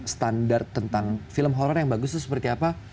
standar tentang film horror yang bagus itu seperti apa